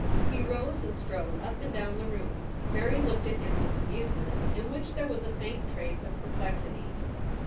He rose and strode up and down the room. Mary looked at him with amusement, in which there was a faint trace of perplexity.